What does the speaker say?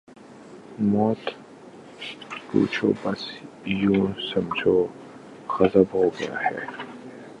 ”مت پوچھو بس یوں سمجھو، غضب ہو گیا ہے۔